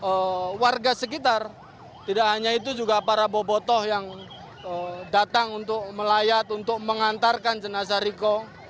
untuk warga sekitar tidak hanya itu juga para bobotoh yang datang untuk melayat untuk mengantarkan jenazah riko